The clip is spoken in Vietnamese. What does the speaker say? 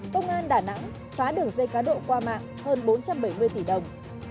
công an đà nẵng phá đường dây cá độ qua mạng hơn bốn trăm bảy mươi tỷ đồng